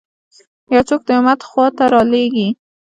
یو څوک د امت خوا ته رالېږي.